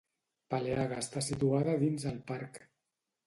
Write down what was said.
Peleaga està situada dins el parc.